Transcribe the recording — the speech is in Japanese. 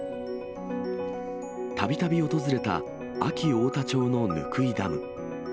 たびたび訪れた安芸太田町の温井ダム。